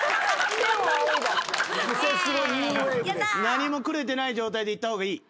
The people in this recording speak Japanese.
何もくれてない状態で行った方がいい。